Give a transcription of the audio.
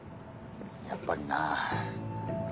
やっぱりな。